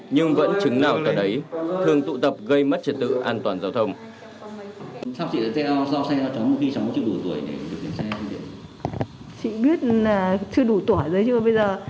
nhưng vẫn chứng nào cả đấy thường tụ tập gây mất trật tự an toàn giao thông